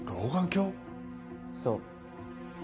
そう。